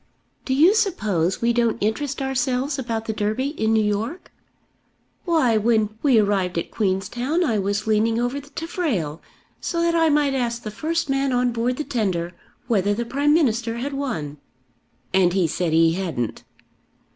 "Do you suppose we don't interest ourselves about the Derby in New York? Why, when we arrived at Queenstown I was leaning over the taffrail so that I might ask the first man on board the tender whether the Prime Minister had won." "And he said he hadn't."